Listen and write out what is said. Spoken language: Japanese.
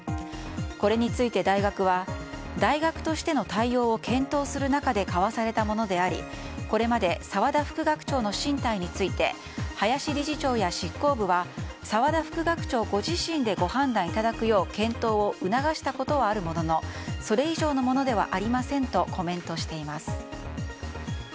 これについて、大学は大学としての対応を検討する中で交わされたものでありこれまで沢田副学長の進退について林理事長や執行部は沢田副学長ご自身でご判断いただくよう検討を促したことはあるもののそれ以上のものではありませんとコメントしています。